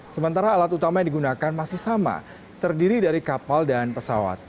sementara alat utama yang digunakan masih sama terdiri dari kapal dan pesawat